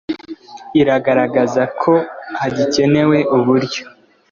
iragaragaza ko hagikenewe uburyo